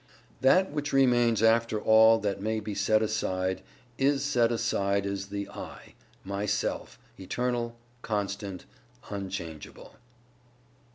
That which remains after all that may be set aside is set aside is the "I" Myself eternal, constant, unchangeable.